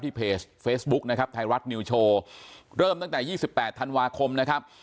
เพจเฟซบุ๊คนะครับไทยรัฐนิวโชว์เริ่มตั้งแต่๒๘ธันวาคมนะครับ